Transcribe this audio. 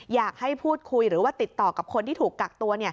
อยากให้พูดคุยหรือว่าติดต่อกับคนที่ถูกกักตัว